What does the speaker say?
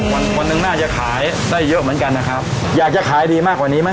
วันคนหนึ่งน่าจะขายได้เยอะเหมือนกันนะครับอยากจะขายดีมากกว่านี้ไหม